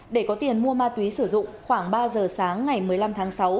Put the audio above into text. để có tiền mua ma túy sử dụng khoảng ba giờ sáng ngày một mươi năm tháng sáu